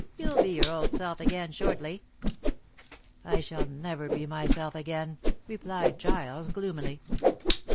You'll be your old self again shortly." "I shall never be myself again," replied Giles gloomily.